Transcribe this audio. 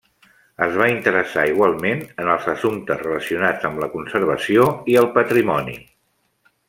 Es va interessar igualment en els assumptes relacionats amb la conservació i el patrimoni.